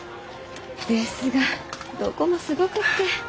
ですがどこもすごくって。